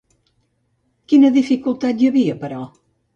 Quina dificultat hi havia, però?